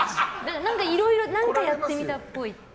いろいろ何かやってみたっぽい。